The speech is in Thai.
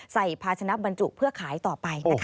ใส่ภาชนับบรรจุเพื่อขายต่อไปนะคะ